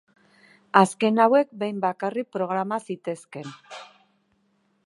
Azken hauek behin bakarrik programa zitezkeen.